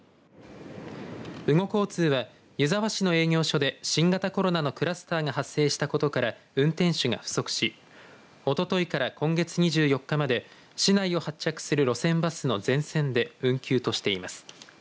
羽後交通は湯沢市の営業所で新型コロナのクラスターが発生したことから運転手が不足しおとといから今月２４日まで市内を発着する路線バスの全線で運休としています。